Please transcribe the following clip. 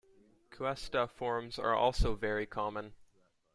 Cuesta forms are also very common.